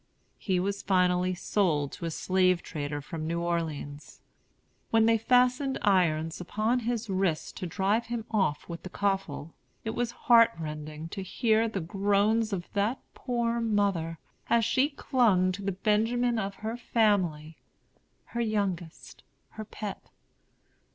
He was finally sold to a slave trader from New Orleans. When they fastened irons upon his wrists to drive him off with the coffle, it was heart rending to hear the groans of that poor mother, as she clung to the Benjamin of her family, her youngest, her pet.